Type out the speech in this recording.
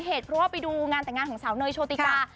เหตุเพราะว่าไปดูงานแต่งงานของสาวเนยโชติกา